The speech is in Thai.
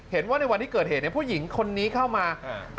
เห็นว่าในวันที่เกิดเหตุเนี่ยผู้หญิงคนนี้เข้ามา